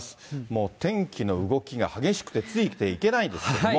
もう、天気の動きが激しくてついていけないですけども。